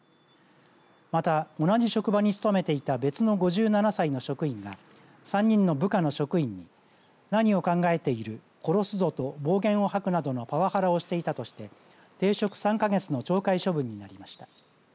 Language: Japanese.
また同じ職場に勤めていた別の５７歳の職員が３人の部下の職員に何を考えている殺すぞと暴言をはくなどのパワハラをしていたとして停職３か月の懲戒処分になりました。